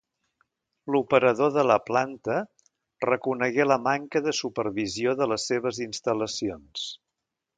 L'operador de la planta reconegué la manca de supervisió de les seves instal·lacions.